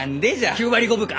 ９割５分か？